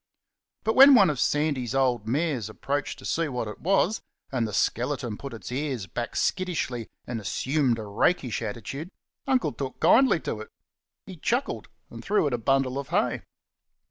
But when one of Sandy's old mares approached to see what it was, and the skeleton put its ears back skittishly and assumed a rakish attitude, Uncle took kindly to it. He chuckled and threw it a bundle of hay.